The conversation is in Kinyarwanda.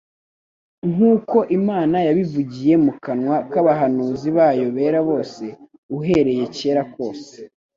nk'uko Imana yabivugiye mu kanwa k'abahanuzi bayo bera bose uhereye kera kose,'»